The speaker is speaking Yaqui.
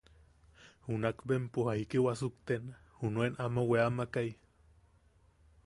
¿Junak empo jaiki wasukten junuen ama weamakai?